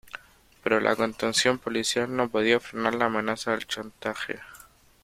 Pero la contención policial no podía frenar la amenaza del chantaje.